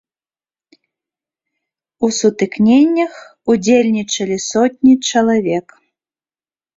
У сутыкненнях удзельнічалі сотні чалавек.